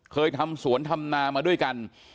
เคยทำสวนทำนามาด้วยกัน